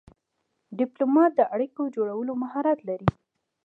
ډيپلومات د اړیکو جوړولو مهارت لري.